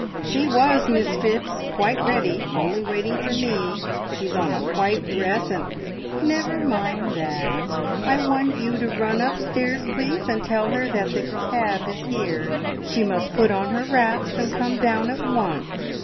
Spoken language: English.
"She was, Miss Phipps, quite ready! Only waiting for me. She's on a white dress, and " "Never mind that. I want you to run upstairs, please, and tell her that the cab is here. She must put on her wraps and come down at once."